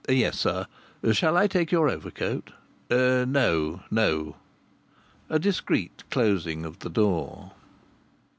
"Yes, sir. Shall I take your overcoat?" "No, no." A discreet closing of the door.